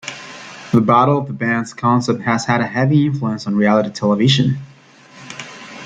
The "battle of the bands" concept has had a heavy influence on reality television.